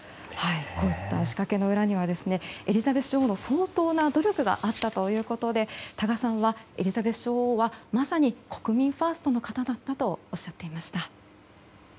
こういった仕掛けの裏にはエリザベス女王の相当な努力があったということで多賀さんは、エリザベス女王はまさに国民ファーストの方だったとおっしゃっていました。